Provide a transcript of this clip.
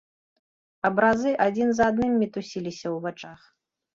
Абразы адзін за адным мітусіліся ў вачах.